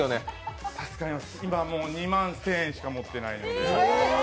今もう２万１０００円しかないので。